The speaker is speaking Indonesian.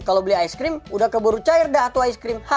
kalau beli aiskrim udah keburu cair dah atau aiskrim